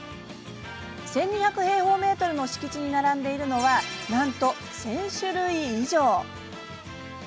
１２００平方メートルの敷地に並んでいるのはなんと１０００種類以上。